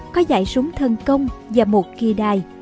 có dạy súng thân công và một kỳ đài